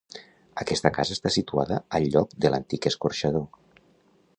Aquesta casa està situada al lloc de l'antic escorxador.